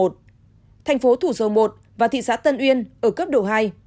thành phố thủ dầu một và thị xã tân uyên ở cấp độ hai